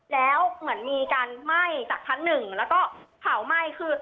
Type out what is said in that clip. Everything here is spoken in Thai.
แล้วเหมือนมีการไหม้จากชั้นหนึ่งแล้วก็เผาไหม้คือ